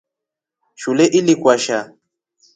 Shule ili kwasha.